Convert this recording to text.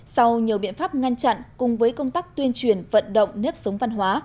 sau nhiều biện pháp ngăn chặn cùng với công tác tuyên truyền vận động nếp sống văn hóa